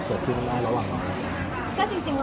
ก็จริงระหว่างทางค่ะ